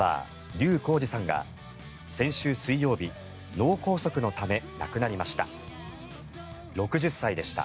笠浩二さんが先週水曜日脳梗塞のため、亡くなりました。